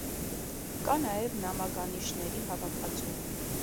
Կա նաև նամականիշների հավաքածու։